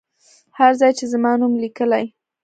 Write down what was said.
هر ځای چې زما نوم لیکلی.